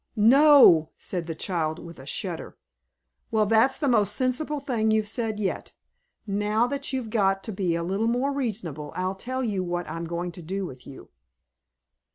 "No," said the child, with a shudder. "Well, that's the most sensible thing you've said yet. Now, that you have got to be a little more reasonable, I'll tell you what I am going to do with you."